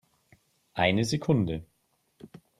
Eine Sekunde